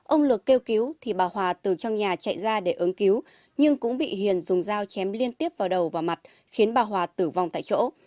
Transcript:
ông lược kêu cứu thì bà hòa từ trong nhà chạy ra để ứng cứu nhưng cũng bị hiền dùng dao chém liên tiếp vào đầu và mặt khiến bà hòa tử vong tại chỗ